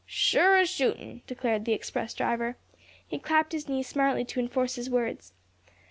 "Sure as shootin'," declared the express driver. He clapped his knee smartly to enforce his words.